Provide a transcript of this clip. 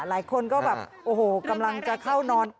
หลายคนก็แบบโอ้โหกำลังจะเข้านอน